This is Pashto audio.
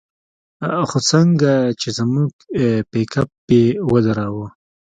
خو څنگه چې زموږ پېکپ يې ودراوه.